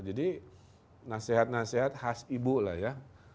jadi nasihat nasihat khas ibu lah ya